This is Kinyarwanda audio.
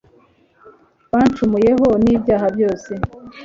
bancumuyeho n ibyaha byose